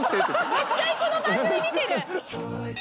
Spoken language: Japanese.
絶対この番組見てる。